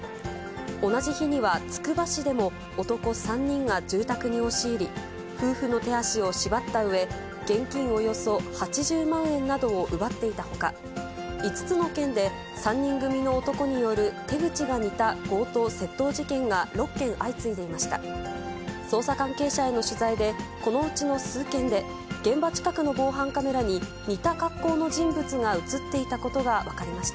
同じ日には、つくば市でも、男３人が住宅に押し入り、夫婦の手足を縛ったうえ、現金およそ８０万円などを奪っていたほか、５つの県で３人組の男による手口が似た強盗、窃盗事件が６件相次いでいました。